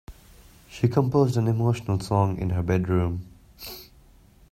She composed an emotional song in her bedroom.